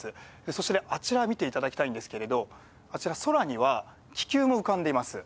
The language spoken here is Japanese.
そしてあちら、見ていただきたいんですけれども、あちら、空には気球も浮かんでいます。